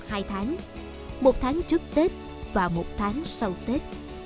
trong hai tháng một tháng trước tết và một tháng sau tết